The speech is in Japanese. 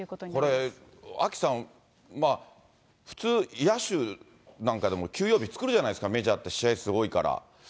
これ、アキさん、普通野手なんかでも、休養日作るじゃないですか、メジャーって、試合数多いから。